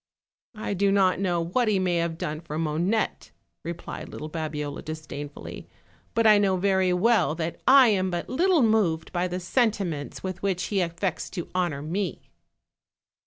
"I do not know what he may have done for Monette," replied little Babiola disdainfully; "but I know very well that I am but little moved by the sentiments with which he affects to honor me."